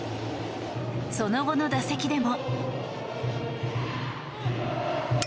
その後の打席でも。